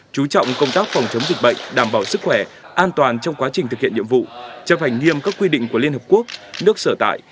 chú trọng công tác phòng chống dịch bệnh đảm bảo sức khỏe an toàn trong quá trình thực hiện nhiệm vụ chấp hành nghiêm các quy định của liên hợp quốc nước sở tại